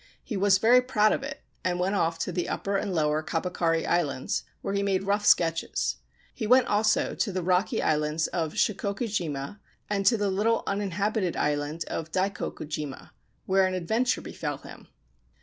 He was very proud of it, and went off to the Upper and Lower Kabakari Islands, where he made rough sketches. He went also to the rocky islands of Shokokujima, and to the little uninhabited island of Daikokujima, where an adventure befell him.